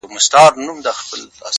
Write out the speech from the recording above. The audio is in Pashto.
پورته کښته سم په زور و زېر باڼه;